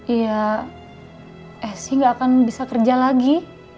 iya elsie gak akan bisa kerja lagi